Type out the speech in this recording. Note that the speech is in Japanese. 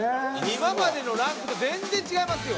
今までのランクと全然違いますよ。